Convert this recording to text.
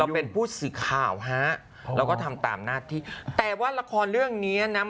พูดสิทธิ์ข่าวฮะเราก็ทำตามหน้าที่แต่ว่าหละครเรื่องเนี้ยน่ะ